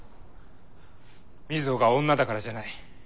瑞穂が女だからじゃない。